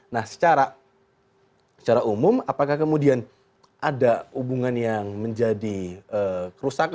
nah secara umum apakah kemudian ada hubungan yang menjadi kerusakan dalam konteks keluarga di negara